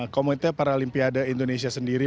komite paralimpiade indonesia sendiri